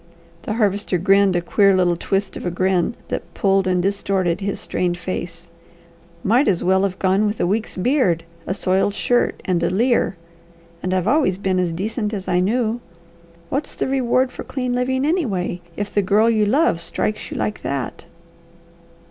The Harvester grinned a queer little twist of a grin that pulled and distorted his strained face. "Might as well have gone with a week's beard, a soiled shirt, and a leer! And I've always been as decent as I knew! What's the reward for clean living anyway, if the girl you love strikes you like that?"